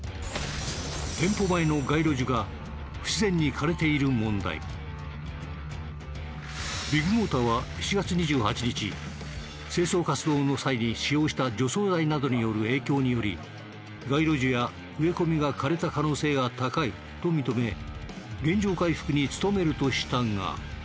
そしてビッグモーターは７月２８日清掃活動の際に使用した除草剤などによる影響により街路樹や植え込みが枯れた可能性が高いと認め原状回復に努めるとしたが。